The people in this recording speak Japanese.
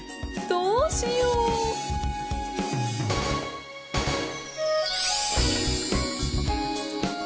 どうしよう